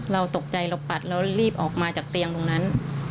เราตกใจเราปัดเรารีบออกมาจากเตียงตรงนั้น